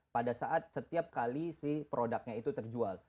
pada saat setiap kali si produknya itu terjual